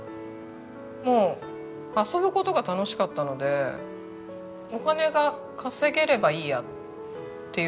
もう遊ぶ事が楽しかったのでお金が稼げればいいやっていう意識でしたね。